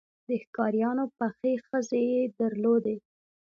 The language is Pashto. د ښکاریانو پخې خزې یې درلودې.